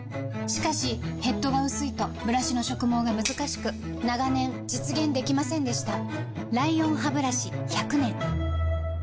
しかしヘッドが薄いとブラシの植毛がむずかしく長年実現できませんでした